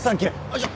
よいしょ。